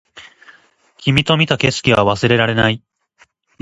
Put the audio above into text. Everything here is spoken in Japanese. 君と見た景色は忘れられない